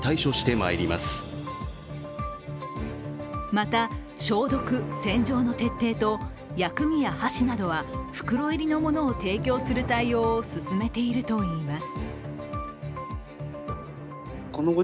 また、消毒・洗浄の徹底と薬味や箸などは袋入りのものを提供する対応を進めているといいます。